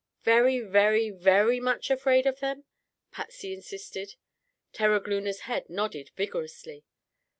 "Very, very, very much afraid of them?" Patsy insisted. Terogloona's head nodded vigorously.